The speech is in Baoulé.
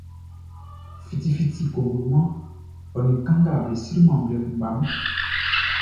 Fiti fiti cogloman ɔ ni kanga be sri man blɛ kuʼngba nu.